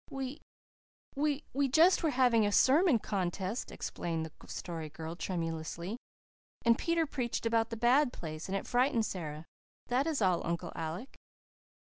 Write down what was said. "We we were just having a sermon contest," explained the Story Girl tremulously. "And Peter preached about the bad place, and it frightened Sara. That is all, Uncle Alec."